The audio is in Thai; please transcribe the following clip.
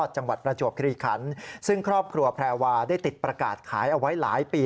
จังหวัดประจวบคลีขันซึ่งครอบครัวแพรวาได้ติดประกาศขายเอาไว้หลายปี